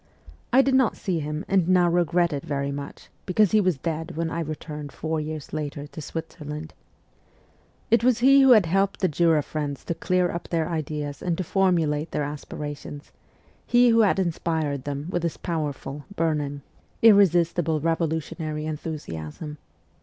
I did not see him, and now regret it very much, because he was dead when I returned four years later to Switzerland. It was he who had helped the Jura friends to clear up their ideas and to formulate their aspirations ; he who had inspired them with his powerful, burning, 74 MEMOIRS OF A REVOLUTIONIST irresistible revolutionary enthusiasm.